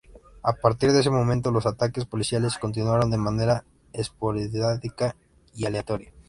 A partir de ese momento los ataques policiales continuaron de manera esporádica y aleatoria.